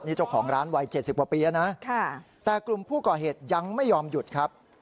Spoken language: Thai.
นี่เจ้าของร้านวัย๗๐กว่าปีแล้วนะแต่กลุ่มผู้ก่อเหตุยังไม่ยอมหยุดครับ